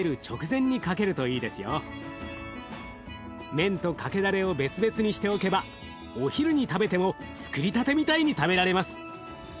麺とかけだれを別々にしておけばお昼に食べてもつくりたてみたいに食べられます。